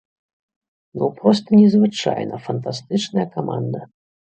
Ну проста незвычайна фантастычная каманда.